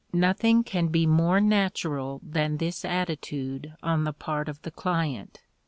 Nothing can be more natural than this attitude on the part of the client.